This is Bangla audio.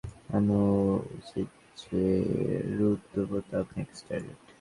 আমাদের কি জোসে স্যারকে জানানো উচিত যে রুদ্র প্রতাপ নেক্সট টার্গেট?